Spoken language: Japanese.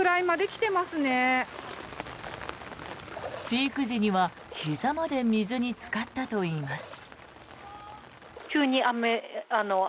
ピーク時には、ひざまで水につかったといいます。